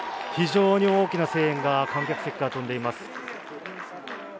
非常に大きな声援が観客席から飛んでいます。